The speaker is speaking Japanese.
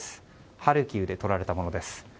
ハルキウで撮られたものです。